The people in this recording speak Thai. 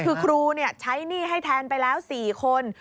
คือครูใช้หนี้ให้แทนไปแล้ว๔คน